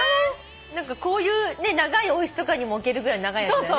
こういう長いお椅子とかにも置けるぐらい長いやつだよね。